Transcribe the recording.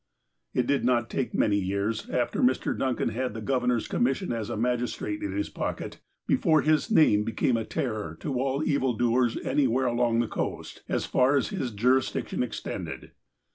It did not take many years, after Mr. Duncan had the Governor's commission as a magistrate in his pocket, be fore his name became a terror to all evil doers anywhere along the coast, as far as his jurisdiction extended.